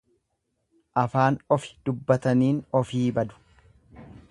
Afaan ofi dubbataniin ofii badu.